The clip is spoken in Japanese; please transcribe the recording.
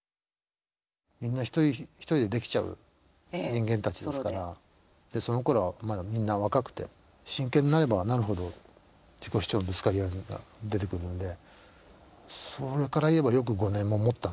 みんな１人でできちゃう人間たちですからそのころはまだみんな若くて真剣になればなるほど自己主張のぶつかり合いが出てくるのでそれから言えばよく５年ももったなと思います。